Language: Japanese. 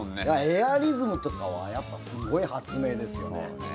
エアリズムとかはやっぱりすごい発明ですよね。